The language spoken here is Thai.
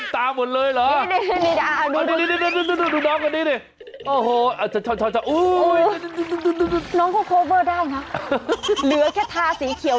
ตัวนี้ทำอะไรมันก็เต้นตาหมดเลยเหรอ